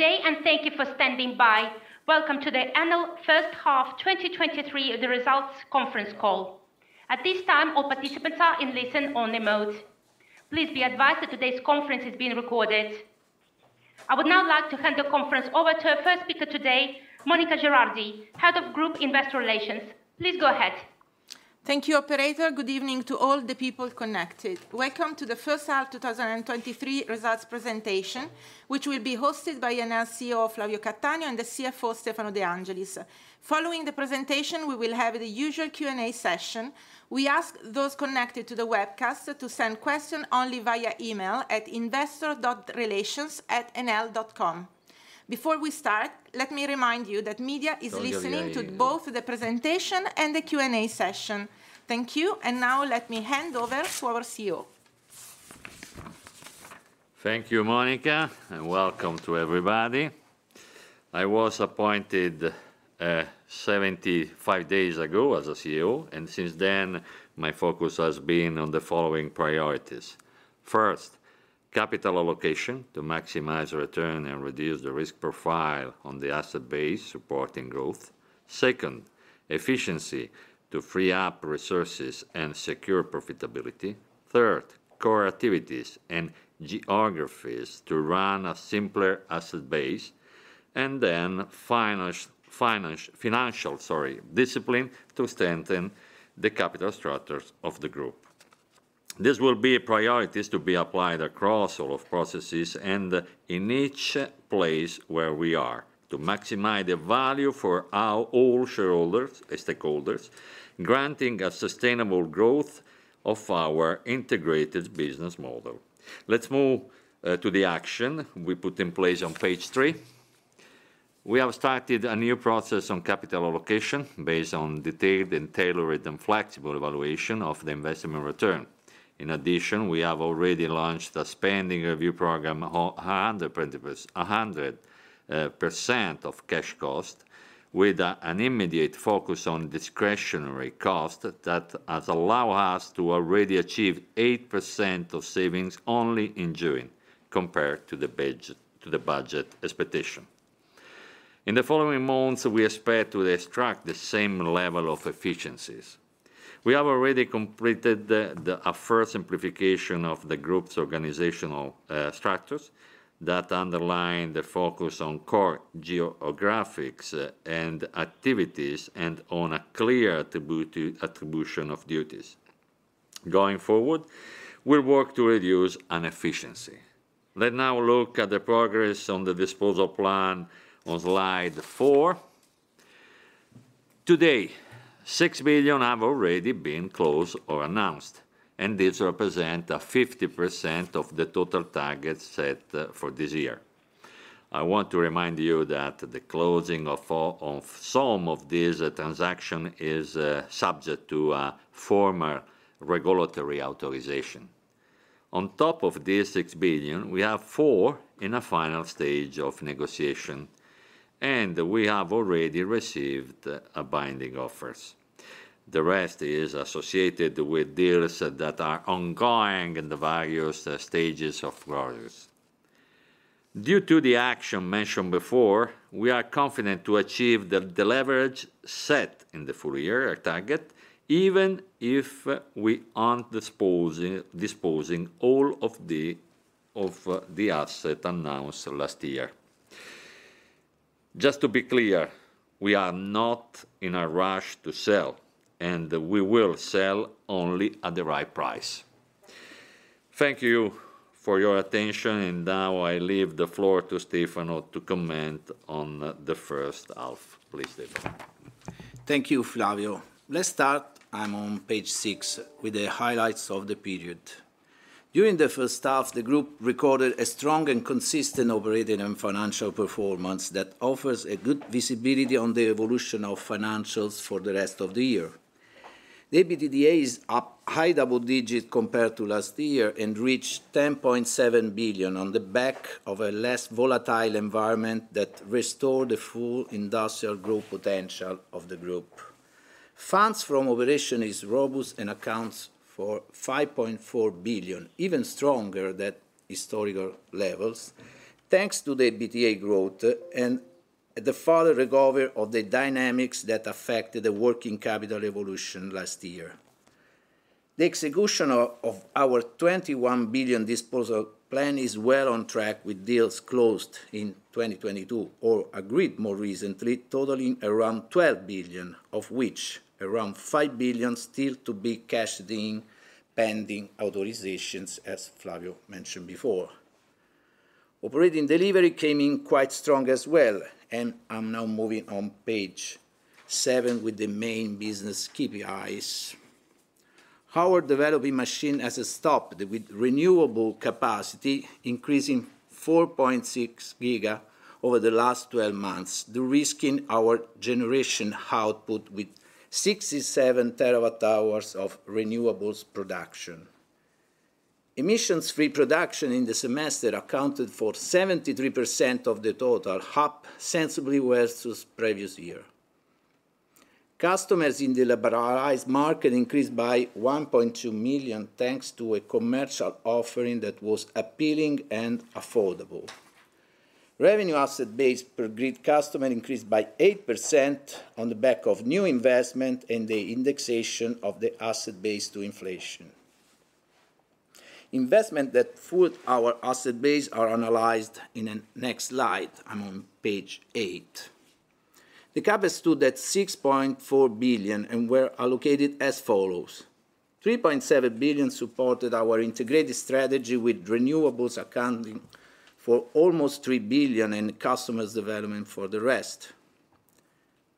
Good day. Thank you for standing by. Welcome to the annual first half 2023, the results conference call. At this time, all participants are in listen-only mode. Please be advised that today's conference is being recorded. I would now like to hand the conference over to our first speaker today, Monica Girardi, Head of Group Investor Relations. Please go ahead. Thank you, operator. Good evening to all the people connected. Welcome to the first half 2023 results presentation, which will be hosted by Enel CEO, Flavio Cattaneo, and the CFO, Stefano De Angelis. Following the presentation, we will have the usual Q&A session. We ask those connected to the webcast to send question only via email at investor.relations@enel.com. Before we start, let me remind you that media is listening- Oh, yeah, yeah. to both the presentation and the Q&A session. Thank you, and now let me hand over to our CEO. Thank you, Monica, and welcome to everybody. I was appointed 75 days ago as a CEO, and since then, my focus has been on the following priorities: First, capital allocation to maximize return and reduce the risk profile on the asset base, supporting growth. Second, efficiency to free up resources and secure profitability. Third, core activities and geographies to run a simpler asset base. And then financial, sorry, discipline to strengthen the capital structures of the group. These will be priorities to be applied across all of processes and in each place where we are, to maximize the value for our all shareholders and stakeholders, granting a sustainable growth of our integrated business model. Let's move to the action we put in place on page three. We have started a new process on capital allocation based on detailed and tailored, and flexible evaluation of the investment return. In addition, we have already launched a spending review program on 100% of cash cost, with an immediate focus on discretionary cost that has allow us to already achieve 8% of savings only in June, compared to the budget expectation. In the following months, we expect to extract the same level of efficiencies. We have already completed the a first simplification of the group's organizational structures that underline the focus on core geographics and activities, and on a clear attribution of duties. Going forward, we'll work to reduce inefficiency. Let now look at the progress on the disposal plan on slide four. Today, 6 billion have already been closed or announced, and these represent a 50% of the total target set for this year. I want to remind you that the closing of some of these transaction is subject to a former regulatory authorization. On top of these 6 billion, we have 4 billion in a final stage of negotiation, and we have already received binding offers. The rest is associated with deals that are ongoing in the various stages of progress. Due to the action mentioned before, we are confident to achieve the leverage set in the full year target, even if we aren't disposing all of the asset announced last year. Just to be clear, we are not in a rush to sell, and we will sell only at the right price. Thank you for your attention. Now I leave the floor to Stefano to comment on the first half. Please, Stefano. Thank you, Flavio. Let's start, I'm on page six, with the highlights of the period. During the first half, the group recorded a strong and consistent operating and financial performance that offers a good visibility on the evolution of financials for the rest of the year. The EBITDA is up high double digits compared to last year and reached 10.7 billion on the back of a less volatile environment that restore the full industrial growth potential of the group. Funds from operation is robust and accounts for 5.4 billion, even stronger than historical levels, thanks to the EBITDA growth and the further recovery of the dynamics that affected the working capital evolution last year. The execution of our 21 billion disposal plan is well on track, with deals closed in 2022 or agreed more recently, totaling around 12 billion, of which around 5 billion still to be cashed in, pending authorizations, as Flavio mentioned before. Operating delivery came in quite strong as well. I'm now moving on page seven with the main business KPIs. Our developing machine has stopped, with renewable capacity increasing 4.6 GW over the last 12 months, the risk in our generation output with 67 TWh of renewables production. Emissions-free production in the semester accounted for 73% of the total, up sensibly well since previous year. Customers in the liberalized market increased by 1.2 million, thanks to a commercial offering that was appealing and affordable. Revenue asset base per grid customer increased by 8% on the back of new investment and the indexation of the asset base to inflation. Investment that fueled our asset base are analyzed in the next slide. I'm on page eight. The CapEx stood at 6.4 billion and were allocated as follows: 3.7 billion supported our integrated strategy, with renewables accounting for almost 3 billion and customers development for the rest.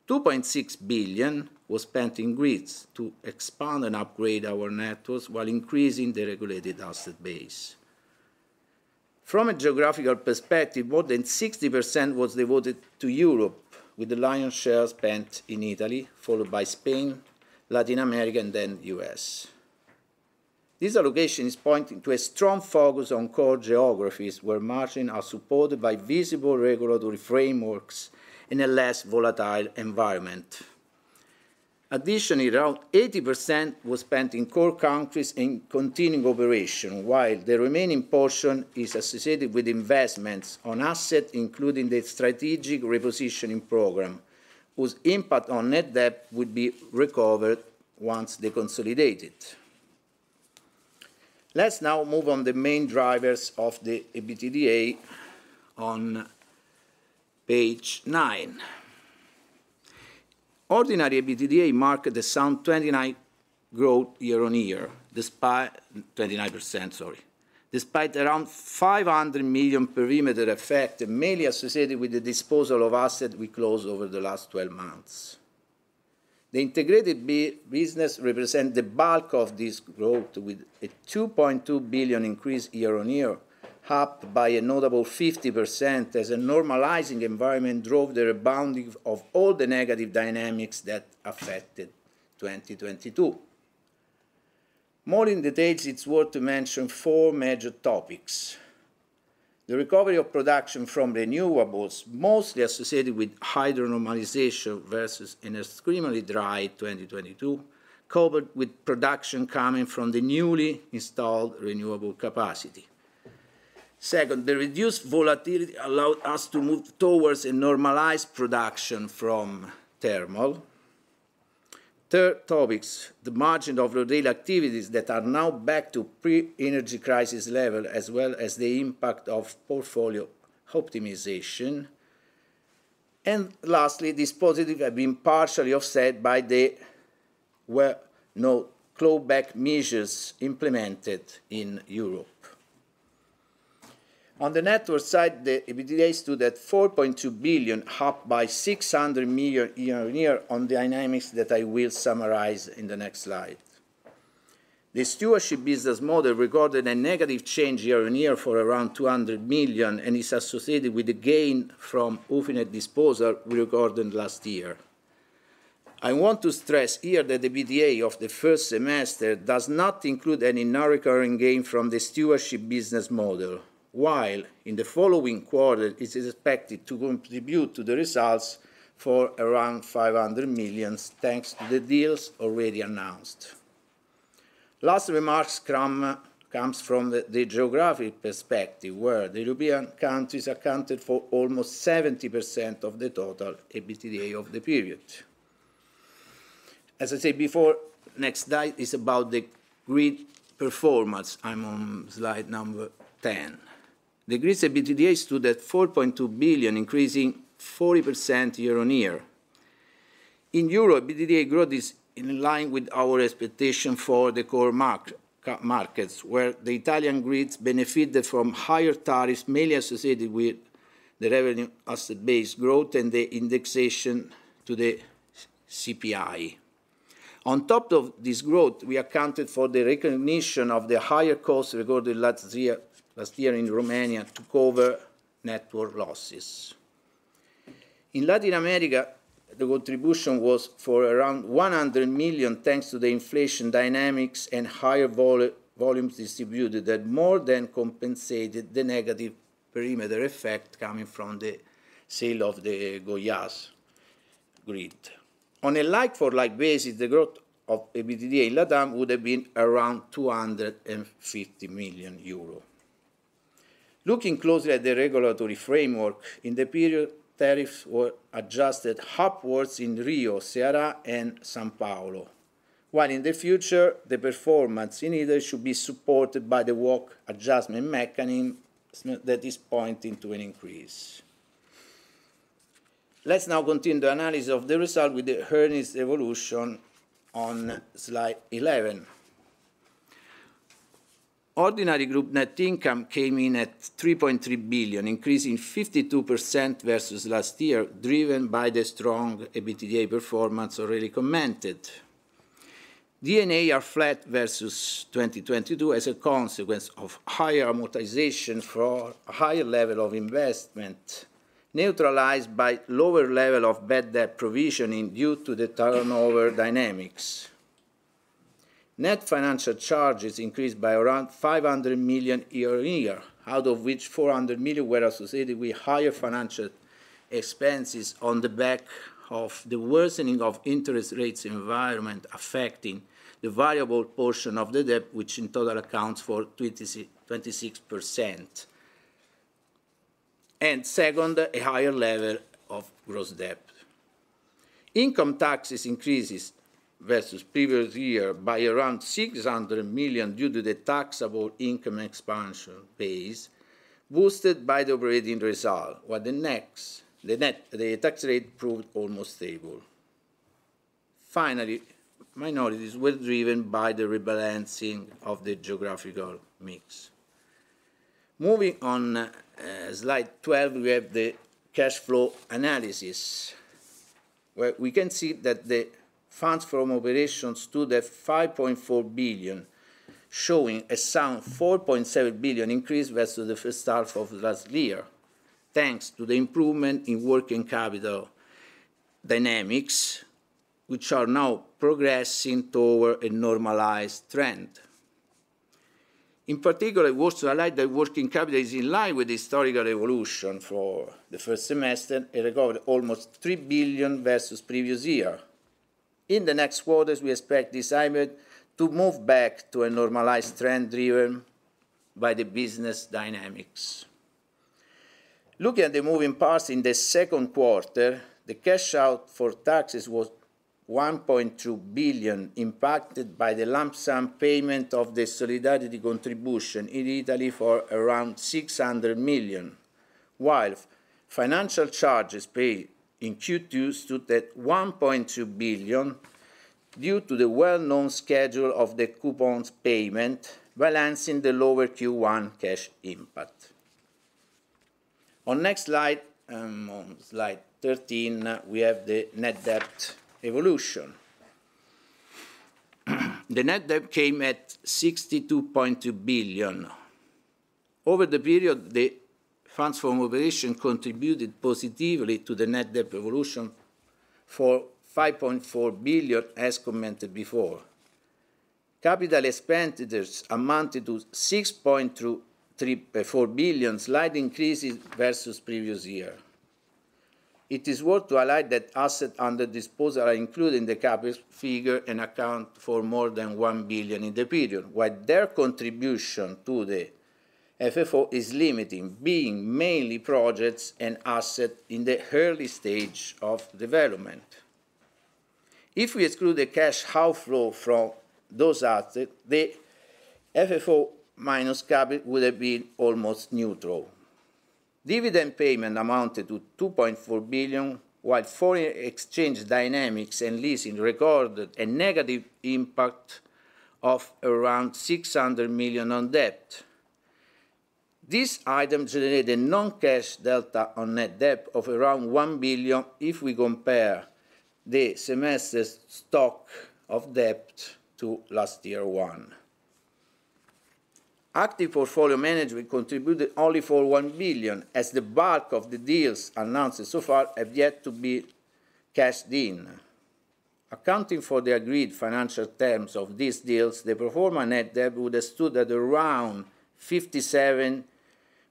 2.6 billion was spent in grids to expand and upgrade our networks, while increasing the regulated asset base. From a geographical perspective, more than 60% was devoted to Europe, with the lion's share spent in Italy, followed by Spain, Latin America, and then U.S. This allocation is pointing to a strong focus on core geographies, where margins are supported by visible regulatory frameworks in a less volatile environment. Additionally, around 80% was spent in core countries in continuing operation, while the remaining portion is associated with investments on asset, including the strategic repositioning program, whose impact on net debt would be recovered once they consolidated. Let's now move on the main drivers of the EBITDA on page nine. Ordinary EBITDA marked a sound 29% growth year-on-year. Despite around 500 million perimeter effect, mainly associated with the disposal of asset we closed over the last 12 months. The integrated business represent the bulk of this growth, with a 2.2 billion increase year-on-year, up by a notable 50%, as a normalizing environment drove the rebounding of all the negative dynamics that affected 2022. More in the details, it's worth to mention four major topics. The recovery of production from renewables, mostly associated with hydro normalization versus an extremely dry 2022, coupled with production coming from the newly installed renewable capacity. Second, the reduced volatility allowed us to move towards a normalized production from thermal. Third topics, the margin of retail activities that are now back to pre-energy crisis level, as well as the impact of portfolio optimization. Lastly, this positive have been partially offset by the, well, no clawback measures implemented in Europe. On the network side, the EBITDA stood at 4.2 billion, up by 600 million year-on-year on dynamics that I will summarize in the next slide. The stewardship business model recorded a negative change year-on-year for around 200 million, and is associated with the gain from UFINET disposal we recorded last year. I want to stress here that EBITDA of the first semester does not include any non-recurring gain from the stewardship business model, while in the following quarter, it is expected to contribute to the results for around 500 million, thanks to the deals already announced. Last remarks comes from the geographic perspective, where the European countries accounted for almost 70% of the total EBITDA of the period. As I said before, next slide is about the grid performance. I'm on slide number 10. The grid's EBITDA stood at 4.2 billion, increasing 40% year-on-year. In Europe, EBITDA growth is in line with our expectation for the core markets, where the Italian grids benefited from higher tariffs, mainly associated with the revenue asset base growth and the indexation to the CPI. On top of this growth, we accounted for the recognition of the higher costs recorded last year in Romania to cover network losses. In Latin America, the contribution was for around 100 million, thanks to the inflation dynamics and higher volumes distributed, that more than compensated the negative perimeter effect coming from the sale of the Goiás grid. On a like-for-like basis, the growth of EBITDA in Latam would have been around 250 million euro. Looking closely at the regulatory framework, in the period, tariffs were adjusted upwards in Rio, Ceará, and São Paulo, while in the future, the performance in either should be supported by the work adjustment mechanism that is pointing to an increase. Let's now continue the analysis of the result with the earnings evolution on slide 11. Ordinary group net income came in at 3.3 billion, increasing 52% versus last year, driven by the strong EBITDA performance already commented. D&A are flat versus 2022 as a consequence of higher amortization for higher level of investment, neutralized by lower level of bad debt provisioning due to the turnover dynamics. Net financial charges increased by around 500 million year-on-year, out of which 400 million were associated with higher financial expenses on the back of the worsening of interest rates environment, affecting the variable portion of the debt, which in total accounts for 26%. Second, a higher level of gross debt. Income taxes increases versus previous year by around 600 million due to the taxable income expansion base, boosted by the operating result, while the tax rate proved almost stable. Finally, minorities were driven by the rebalancing of the geographical mix. Moving on, slide 12, we have the cash flow analysis, where we can see that the funds from operations stood at 5.4 billion, showing a sound 4.7 billion increase versus the first half of last year, thanks to the improvement in working capital dynamics, which are now progressing toward a normalized trend. In particular, it was to highlight that working capital is in line with historical evolution for the first semester, it recovered almost 3 billion versus previous year. In the next quarters, we expect this item to move back to a normalized trend driven by the business dynamics. Looking at the moving parts in the second quarter, the cash out for taxes was 1.2 billion, impacted by the lump sum payment of the solidarity contribution in Italy for around 600 million. While financial charges paid in Q2 stood at 1.2 billion, due to the well-known schedule of the coupons payment, balancing the lower Q1 cash impact. On next slide, on slide 13, we have the net debt evolution. The net debt came at 62.2 billion. Over the period, the funds from operation contributed positively to the net debt evolution for 5.4 billion, as commented before. Capital expenditures amounted to 6.24 billion, slight increases versus previous year. It is worth to highlight that assets under disposal are included in the CapEx figure and account for more than 1 billion in the period, while their contribution to the FFO is limiting, being mainly projects and assets in the early stage of development. If we exclude the cash outflow from those assets, the FFO minus CapEx would have been almost neutral. Dividend payment amounted to 2.4 billion, while foreign exchange dynamics and leasing recorded a negative impact of around 600 million on debt. These items generated a non-cash delta on net debt of around 1 billion if we compare the semester's stock of debt to last year one. Active portfolio management contributed only for 1 billion, as the bulk of the deals announced so far have yet to be cashed in. Accounting for the agreed financial terms of these deals, the pro forma net debt would have stood at around 57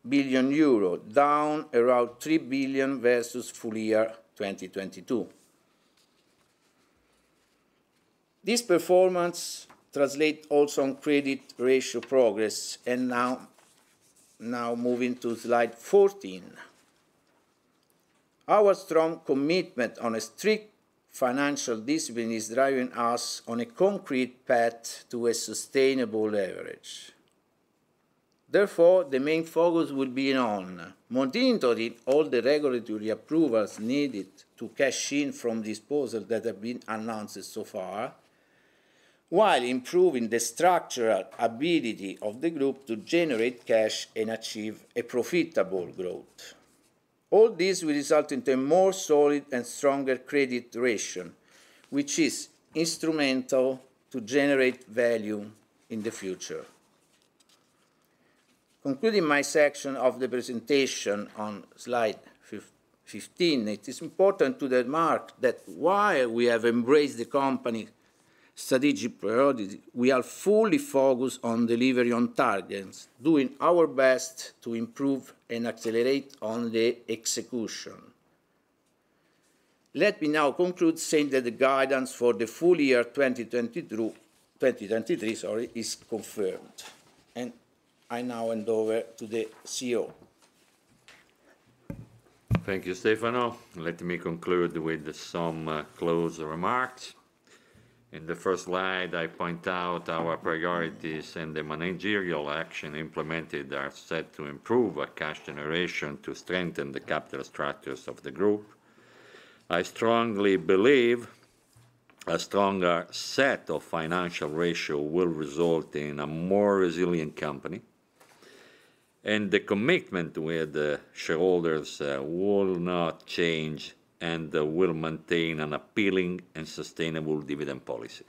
billion euro, down around 3 billion versus full year 2022. This performance translate also on credit ratio progress, and now moving to slide 14. Our strong commitment on a strict financial discipline is driving us on a concrete path to a sustainable leverage. Therefore, the main focus will be on monitoring all the regulatory approvals needed to cash in from disposals that have been announced so far, while improving the structural ability of the group to generate cash and achieve a profitable growth. All this will result into a more solid and stronger credit ratio, which is instrumental to generate value in the future. Concluding my section of the presentation on slide 15, it is important to remark that while we have embraced the company strategic priorities, we are fully focused on delivering on targets, doing our best to improve and accelerate on the execution. Let me now conclude, saying that the guidance for the full year 2022, 2023, sorry, is confirmed. I now hand over to the CEO. Thank you, Stefano. Let me conclude with some closing remarks. In the first slide, I point out our priorities and the managerial action implemented are set to improve our cash generation to strengthen the capital structures of the group. I strongly believe a stronger set of financial ratio will result in a more resilient company, and the commitment with the shareholders will not change, and we'll maintain an appealing and sustainable dividend policy.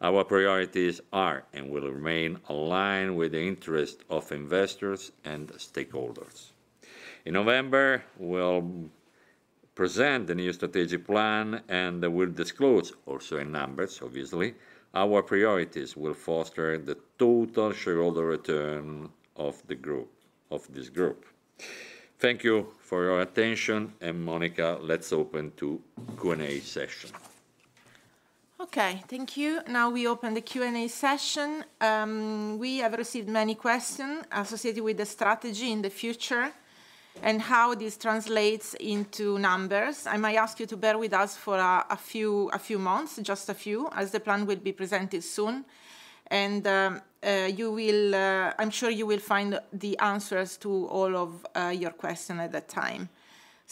Our priorities are, and will remain aligned with the interest of investors and stakeholders. In November, we'll present the new strategic plan, and we'll disclose, also in numbers, obviously, our priorities will foster the total shareholder return of the group, of this group. Thank you for your attention, and Monica, let's open to Q&A session. Okay, thank you. Now we open the Q&A session. We have received many questions associated with the strategy in the future, and how this translates into numbers. I might ask you to bear with us for a few months, just a few, as the plan will be presented soon. I'm sure you will find the answers to all of your question at that time.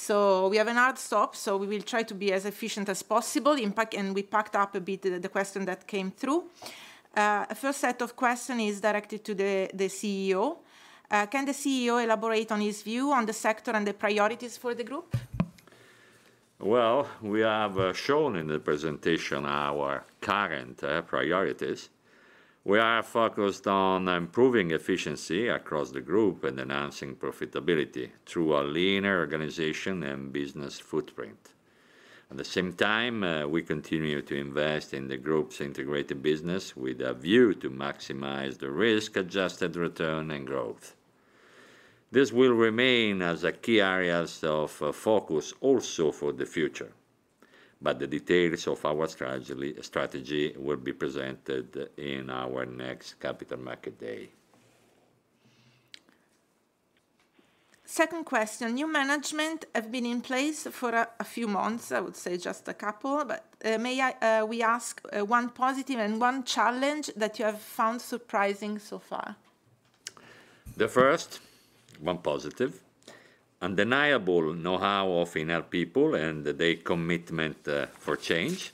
We have a hard stop, so we will try to be as efficient as possible. In fact, we packed up a bit the question that came through. First set of question is directed to the CEO. Can the CEO elaborate on his view on the sector and the priorities for the group? Well, we have shown in the presentation our current priorities. We are focused on improving efficiency across the group and enhancing profitability through a leaner organization and business footprint. At the same time, we continue to invest in the group's integrated business with a view to maximize the risk-adjusted return and growth. This will remain as a key areas of focus also for the future. The details of our strategy will be presented in our next Capital Market Day. Second question: new management have been in place for a few months, I would say just a couple, but, may I, we ask, one positive and one challenge that you have found surprising so far? The first, one positive, undeniable know-how of Enel people and their commitment for change.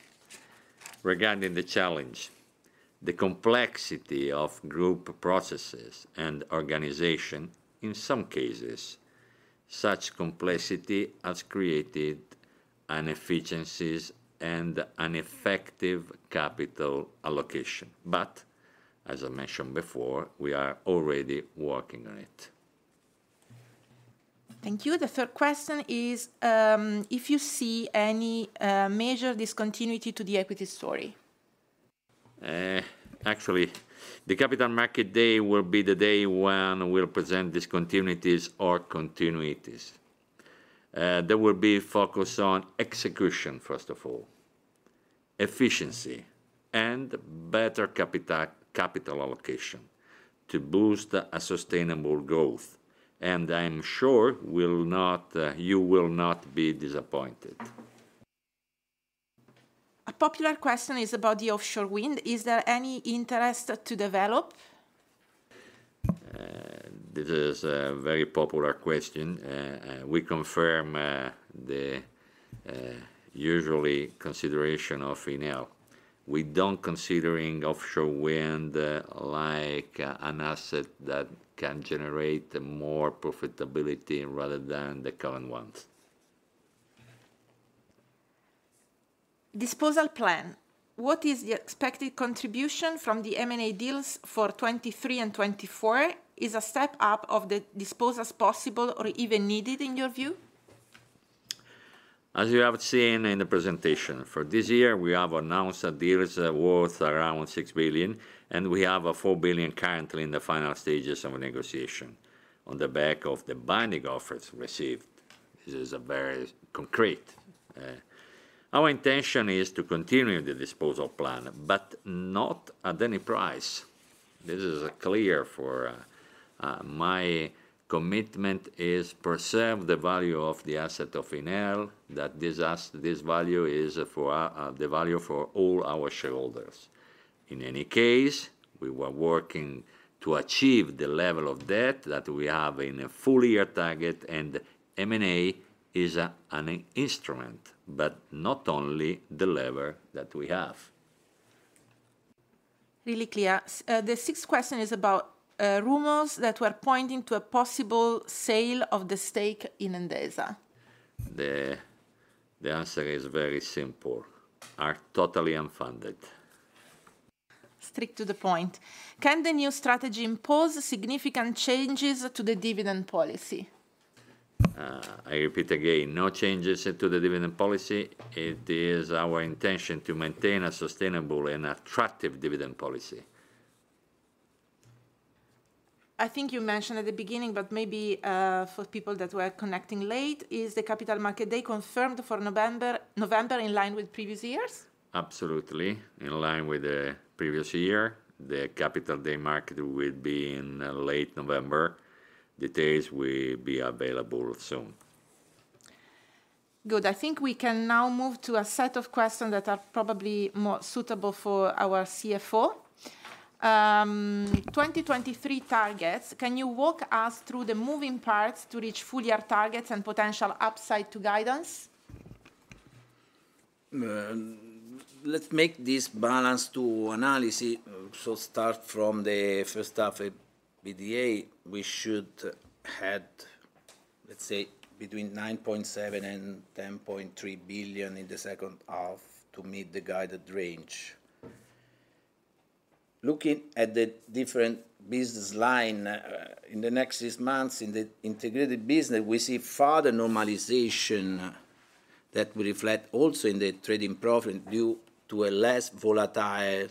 Regarding the challenge, the complexity of group processes and organization, in some cases, such complexity has created inefficiencies and ineffective capital allocation. As I mentioned before, we are already working on it. Thank you. The third question is, if you see any major discontinuity to the equity story? Actually, the Capital Market Day will be the day when we'll present discontinuities or continuities. They will be focused on execution, first of all, efficiency, and better capital allocation to boost a sustainable growth, and I'm sure will not, you will not be disappointed. A popular question is about the offshore wind. Is there any interest to develop? This is a very popular question. We confirm the usually consideration of Enel. We don't considering offshore wind like an asset that can generate more profitability rather than the current ones. Disposal plan, what is the expected contribution from the M&A deals for 2023 and 2024? Is a step up of the dispose as possible or even needed in your view? As you have seen in the presentation, for this year, we have announced deals worth around 6 billion. We have 4 billion currently in the final stages of negotiation. On the back of the binding offers received, this is very concrete. Our intention is to continue the disposal plan, not at any price. This is clear for. My commitment is preserve the value of the asset of Enel, that this value is for the value for all our shareholders. In any case, we were working to achieve the level of debt that we have in a full year target. M&A is a, an instrument, but not only the lever that we have. Really clear. The sixth question is about rumors that were pointing to a possible sale of the stake in Endesa. The answer is very simple: are totally unfounded. Strict to the point. Can the new strategy impose significant changes to the dividend policy? I repeat again, no changes to the dividend policy. It is our intention to maintain a sustainable and attractive dividend policy. I think you mentioned at the beginning, but maybe, for people that were connecting late, is the Capital Market Day confirmed for November? November, in line with previous years? Absolutely, in line with the previous year. The Capital Market Day will be in late November. Details will be available soon. Good. I think we can now move to a set of questions that are probably more suitable for our CFO. 2023 targets, can you walk us through the moving parts to reach full year targets and potential upside to guidance? Let's make this balance to analysis. Start from the first half EBITDA, we should had, let's say, between 9.7 billion and 10.3 billion in the second half to meet the guided range. Looking at the different business line, in the next six months, in the integrated business, we see further normalization, that will reflect also in the trading profit due to a less volatile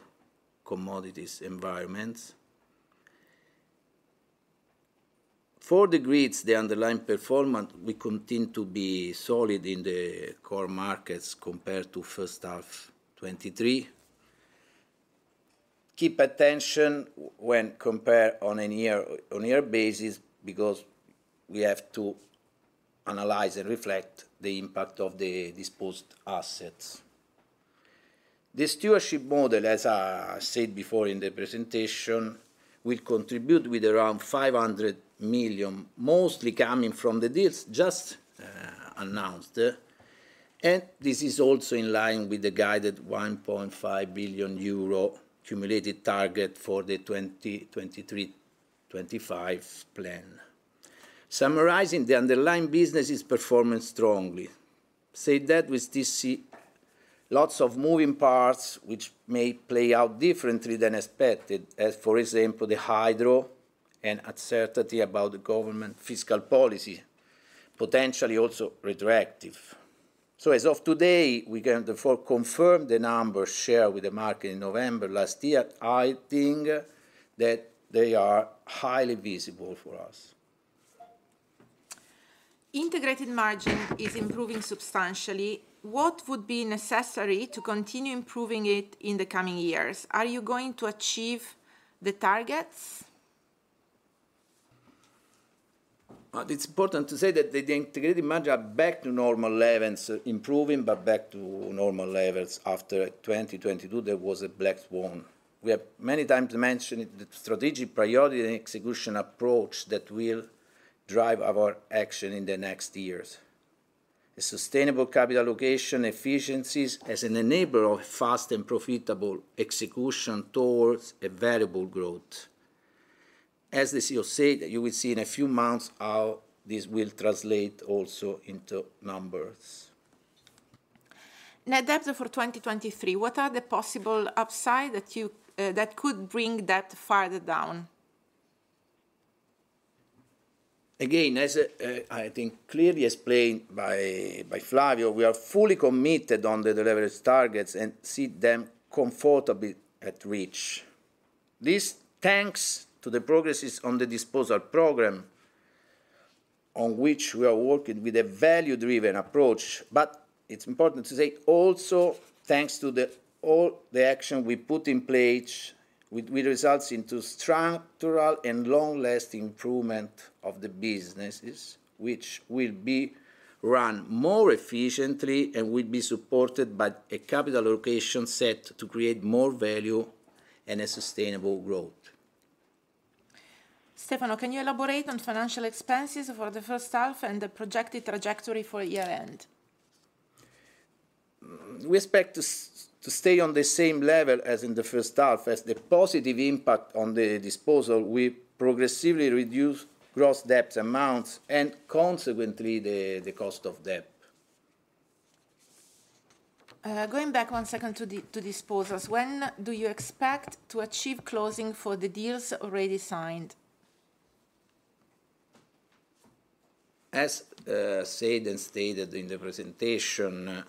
commodities environments. For the grids, the underlying performance will continue to be solid in the core markets compared to first half 2023. Keep attention when compare on a year-on-year basis, because we have to analyze and reflect the impact of the disposed assets. The Stewardship model, as I said before in the presentation, will contribute with around 500 million, mostly coming from the deals just announced. This is also in line with the guided 1.5 billion euro cumulative target for the 2023-2025 plan. Summarizing, the underlying business is performing strongly. Said that, we still see lots of moving parts which may play out differently than expected, as, for example, the hydro and uncertainty about the government fiscal policy, potentially also retroactive. As of today, we can therefore confirm the numbers shared with the market in November last year. I think that they are highly visible for us. Integrated margin is improving substantially. What would be necessary to continue improving it in the coming years? Are you going to achieve the targets? It's important to say that the integrated margin are back to normal levels, improving, but back to normal levels. After 2022, there was a black swan. We have many times mentioned the strategic priority and execution approach that will drive our action in the next years. The sustainable capital allocation efficiencies as an enabler of fast and profitable execution towards a valuable growth. As the CEO said, you will see in a few months how this will translate also into numbers. Net debt for 2023, what are the possible upside that you, that could bring that further down? As, I think clearly explained by Flavio, we are fully committed on the de-leverage targets and see them comfortably at reach. Thanks to the progresses on the disposal program, on which we are working with a value-driven approach, it's important to say also, thanks to all the action we put in place, with results into structural and long-lasting improvement of the businesses, which will be run more efficiently and will be supported by a capital allocation set to create more value and a sustainable growth. Stefano, can you elaborate on financial expenses for the first half and the projected trajectory for year end? We expect to stay on the same level as in the first half. As the positive impact on the disposal, we progressively reduce gross debt amounts and consequently, the cost of debt. Going back one second to disposals, when do you expect to achieve closing for the deals already signed? As said and stated in the presentation,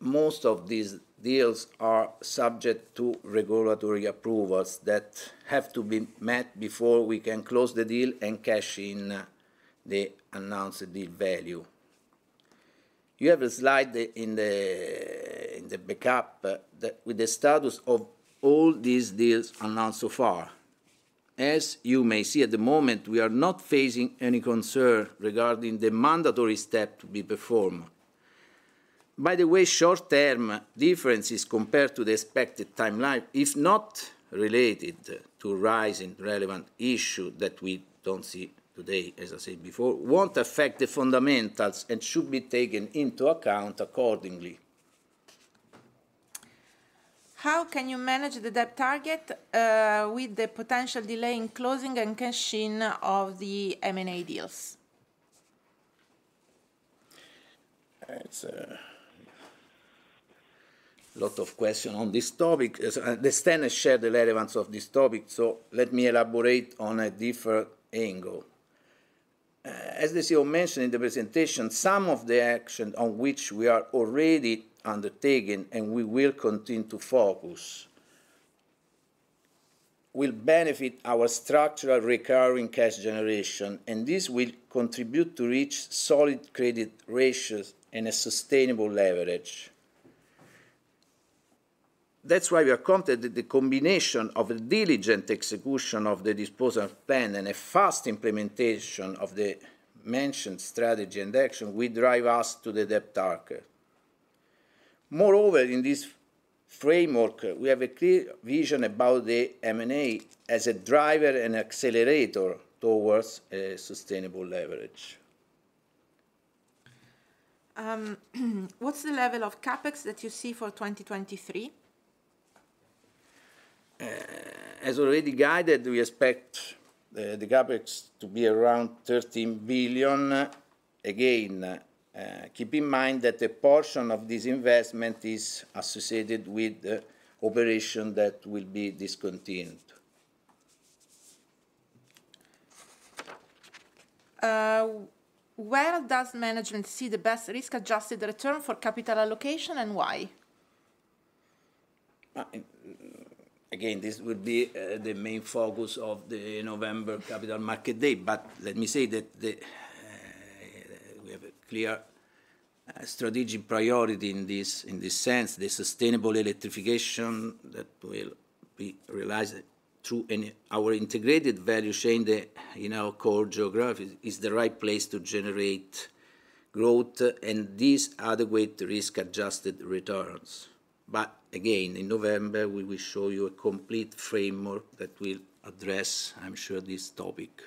most of these deals are subject to regulatory approvals that have to be met before we can close the deal and cash in the announced deal value. You have a slide in the backup, that with the status of all these deals announced so far. As you may see, at the moment, we are not facing any concern regarding the mandatory step to be performed. By the way, short-term differences compared to the expected timeline, if not related to rising relevant issue that we don't see today, as I said before, won't affect the fundamentals and should be taken into account accordingly. How can you manage the debt target, with the potential delay in closing and cashing in of the M&A deals? It's lot of question on this topic. As understand and share the relevance of this topic, so let me elaborate on a different angle. As the CEO mentioned in the presentation, some of the action on which we are already undertaking, and we will continue to focus, will benefit our structural recurring cash generation. This will contribute to reach solid credit ratios and a sustainable leverage. That's why we are confident that the combination of a diligent execution of the disposal plan and a fast implementation of the mentioned strategy and action will drive us to the debt target. Moreover, in this framework, we have a clear vision about the M&A as a driver and accelerator towards a sustainable leverage. What's the level of CapEx that you see for 2023? As already guided, we expect the CapEx to be around 13 billion. Again, keep in mind that a portion of this investment is associated with operation that will be discontinued. Where does management see the best risk-adjusted return for capital allocation, and why? Again, this would be the main focus of the November Capital Market Day. Let me say that the... we have a clear strategic priority in this sense, the sustainable electrification that will be realized through our integrated value chain, the, you know, core geographies, is the right place to generate growth, and these adequate risk-adjusted returns. Again, in November, we will show you a complete framework that will address, I'm sure, this topic.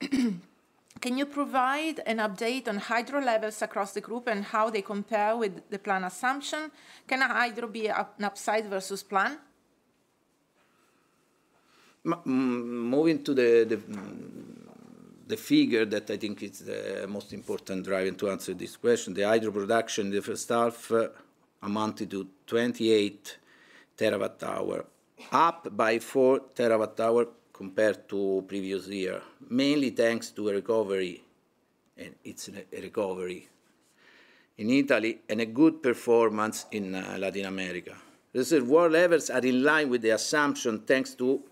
Can you provide an update on hydro levels across the group and how they compare with the plan assumption? Can hydro be an upside versus plan? Moving to the figure that I think is the most important driver to answer this question. The hydro production in the first half amounted to 28 TWh, up by 4 TWh compared to previous year, mainly thanks to a recovery, and it's a recovery in Italy and a good performance in Latin America. Reserve water levels are in line with the assumption, thanks to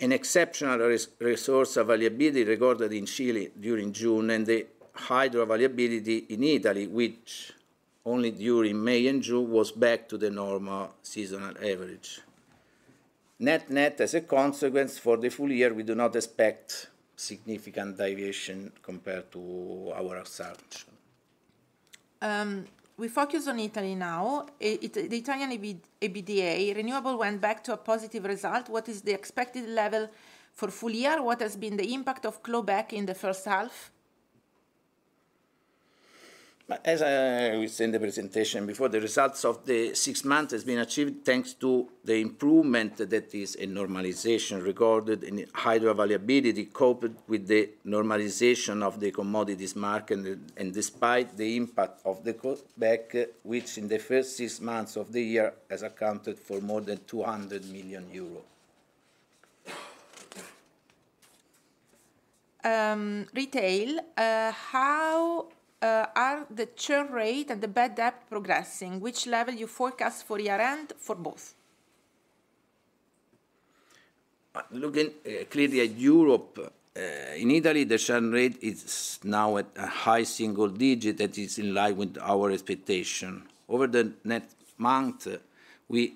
an exceptional resource availability recorded in Chile during June, and the hydro availability in Italy, which only during May and June, was back to the normal seasonal average. Net-net, as a consequence, for the full year, we do not expect significant deviation compared to our assumption. We focus on Italy now. The Italian EBITDA renewable went back to a positive result. What is the expected level for full year? What has been the impact of clawback in the first half? As we saw in the presentation before, the results of the six months has been achieved, thanks to the improvement, that is a normalization, recorded in hydro availability, coupled with the normalization of the commodities market, and despite the impact of the clawback, which in the first six months of the year, has accounted for more than EUR 200 million. Retail, how are the churn rate and the bad debt progressing? Which level you forecast for year-end for both? Looking clearly at Europe, in Italy, the churn rate is now at a high single-digit that is in line with our expectation. Over the next month, we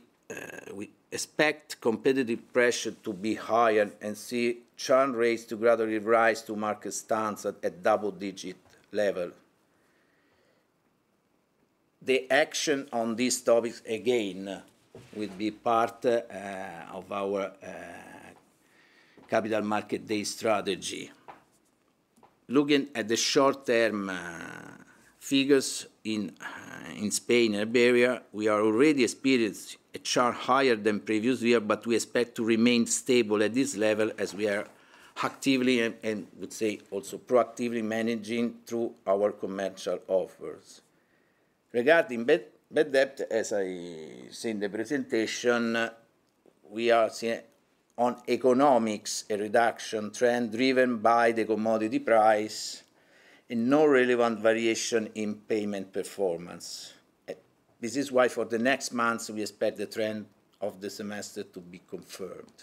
expect competitive pressure to be higher and see churn rates to gradually rise to market stance at a double-digit level. The action on this topic, again, will be part of our Capital Market Day strategy. Looking at the short-term figures in Spain and Iberia, we are already experienced a churn higher than previous year, but we expect to remain stable at this level as we are actively, and would say also proactively, managing through our commercial offers. Regarding bad debt, as I said in the presentation, we are seeing on economics, a reduction trend driven by the commodity price and no relevant variation in payment performance. This is why, for the next months, we expect the trend of the semester to Yes. be confirmed.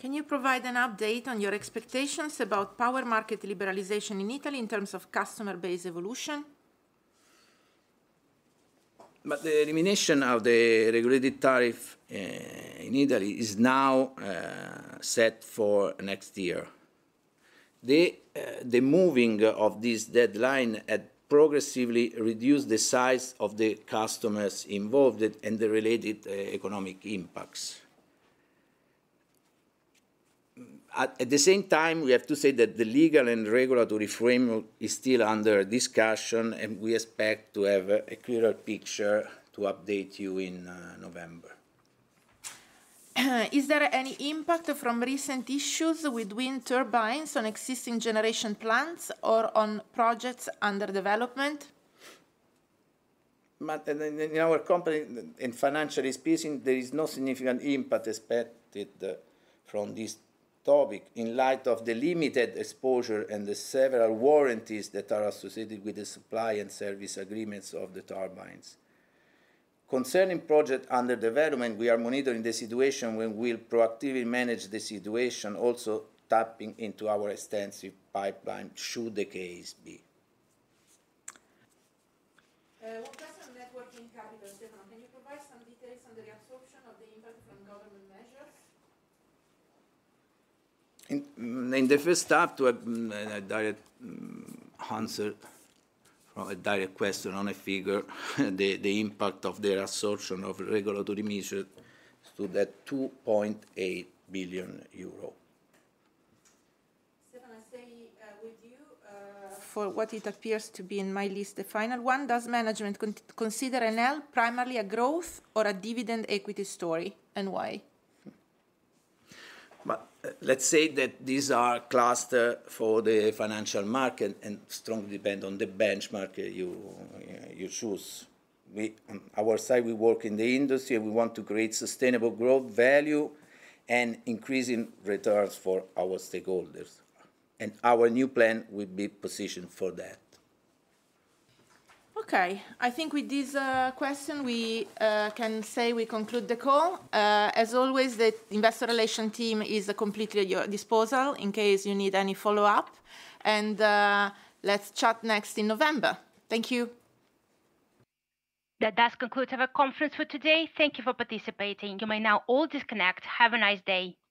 Can you provide an update on your expectations about power market liberalization in Italy in terms of customer base evolution? The elimination of the regulated tariff in Italy is now set for next year. The moving of this deadline had progressively reduced the size of the customers involved and the related economic impacts. At the same time, we have to say that the legal and regulatory framework is still under discussion, and we expect to have a clearer picture to update you in November. Is there any impact from recent issues with wind turbines on existing generation plants or on projects under development? In our company, in financial expenses, there is no significant impact expected from this topic in light of the limited exposure and the several warranties that are associated with the supply and service agreements of the turbines. Concerning project under development, we are monitoring the situation, and we will proactively manage the situation, also tapping into our extensive pipeline, should the case be. One question on net working capital. Stefano, can you provide some details on the reabsorption of the impact from government measures? In the first half, to a direct answer from a direct question on a figure, the impact of the reabsorption of regulatory measures stood at 2.8 billion euro. Stefano, I stay with you for what it appears to be, in my list, the final one. Does management consider Enel primarily a growth or a dividend equity story, and why? Let's say that these are cluster for the financial market and strongly depend on the benchmark you choose. We, on our side, we work in the industry, and we want to create sustainable growth, value, and increasing returns for our stakeholders, and our new plan will be positioned for that. Okay. I think with this question, we can say we conclude the call. As always, the Investor Relations team is completely at your disposal in case you need any follow-up. Let's chat next in November. Thank you. That does conclude our conference for today. Thank you for participating. You may now all disconnect. Have a nice day!